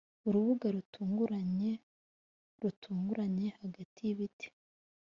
urubuga rutunguranye rutunguranye hagati y'ibiti